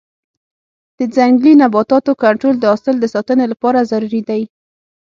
د ځنګلي نباتاتو کنټرول د حاصل د ساتنې لپاره ضروري دی.